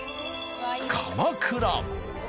鎌倉。